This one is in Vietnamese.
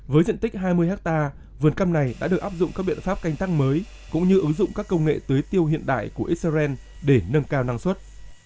với diện tích hai mươi hectare vườn cam này đã được áp dụng các biện pháp canh tác mới cũng như ứng dụng các công nghệ tưới tiêu hiện đại của israel để nâng cao năng suất